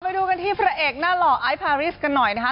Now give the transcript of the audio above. ไปดูกันที่พระเอกหน้าหล่อไอซ์พาริสกันหน่อยนะคะ